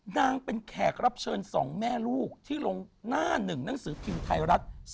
นางเป็นแขกรับเชิญ๒แม่ลูกที่ลงหน้าหนึ่งหนังสือพิมพ์ไทยรัฐ